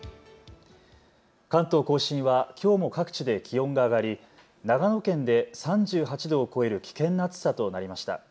関東甲信はきょうも各地で気温が上がり長野県で３８度を超える危険な暑さとなりました。